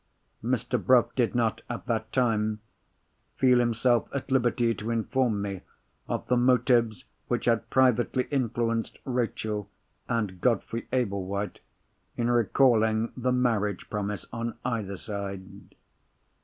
Mr. Bruff did not, at that time, feel himself at liberty to inform me of the motives which had privately influenced Rachel and Godfrey Ablewhite in recalling the marriage promise, on either side.